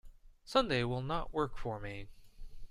Sunday will not work for me.